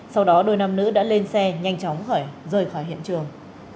sau đó đôi nam nữ đã lên xe nhanh chóng rời khỏi hiện trường